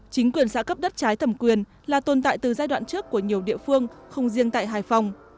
chính quyền xã cấp đất trái thẩm quyền là tồn tại từ giai đoạn trước của nhiều địa phương không riêng tại hải phòng